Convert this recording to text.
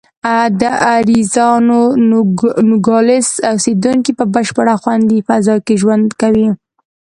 د اریزونا نوګالس اوسېدونکي په بشپړه خوندي فضا کې ژوند کوي.